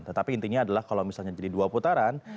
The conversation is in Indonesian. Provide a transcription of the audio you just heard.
tetapi intinya adalah kalau misalnya jadi dua putaran